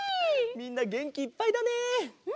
みんなげんきいっぱいだね！